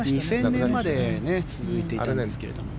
２０００年まで続いていたんですけれども。